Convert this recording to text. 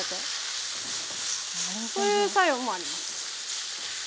そういう作用もあります。